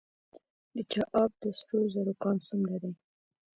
د چاه اب د سرو زرو کان څومره دی؟